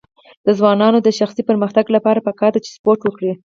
د ځوانانو د شخصي پرمختګ لپاره پکار ده چې سپورټ وکړي.